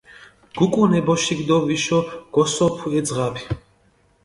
გუკუნ ე ბოშიქ დო ვიშო გოსოფუ ე ძაფი.